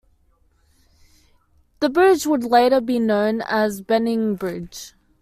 The bridge would later be known as Benning Bridge.